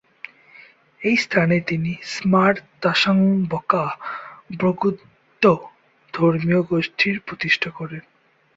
এই স্থানে তিনি স্মার-ত্শাং-ব্কা'-ব্র্গ্যুদ ধর্মীয় গোষ্ঠীর প্রতিষ্ঠা করেন।